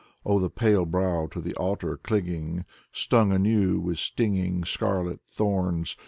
Oh, the pale brow to the altar clinging. Stung anew with stinging scarlet thorns